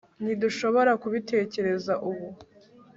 ntidushobora kubitekereza ubu